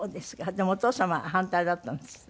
でもお父様は反対だったんですって？